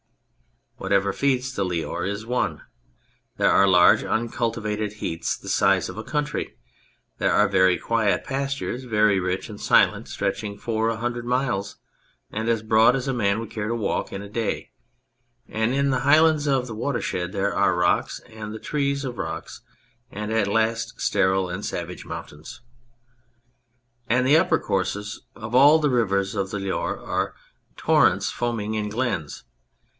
Whatever feeds the Loire is one. There are large uncultivated heaths the size of a country ; there are very quiet pastures, very rich and silent, stretching for a hundred miles and as broad as a man would care to walk in a day ; and in the high lands of the watershed there are rocks, and the trees of rocks, and at last sterile and savage mountains. And the upper courses of all the rivers of the Loire are torrents foaming in glens.